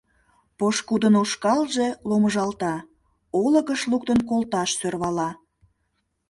Пошкудын ушкалже ломыжалта, олыкыш луктын колташ сӧрвала.